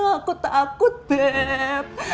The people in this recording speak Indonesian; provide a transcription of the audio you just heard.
aku takut bet